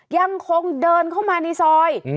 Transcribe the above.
ยังคงเดินเข้ามาในซอย